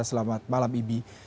selamat malam ibi